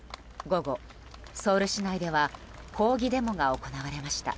午後、ソウル市内では抗議デモが行われました。